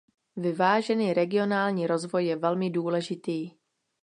Vyvážený regionální rozvoj je velmi důležitý.